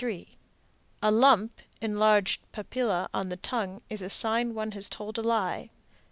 A lump (enlarged papilla) on the tongue is a sign one has told a lie.